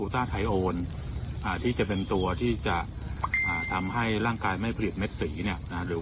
ที่จะเป็นตัวที่จะทำให้ร่างกายไม่ผลิตเม็ดสีเนี่ยหรือ